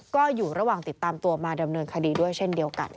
ก็อยู่ระหว่างติดตามตัวมาดำเนินคดีด้วยเช่นเดียวกัน